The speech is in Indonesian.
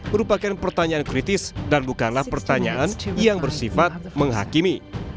merupakan pertanyaan kritis dan bukanlah pertanyaan yang bersifat menghakimi